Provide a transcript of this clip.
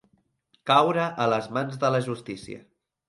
Caure a les mans de la justícia.